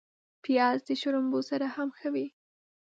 پیاز د شړومبو سره هم ښه وي